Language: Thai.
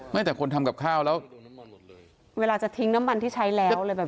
ไม่แต่คนทำกับข้าวแล้วเวลาจะทิ้งน้ำมันที่ใช้แล้วอะไรแบบนี้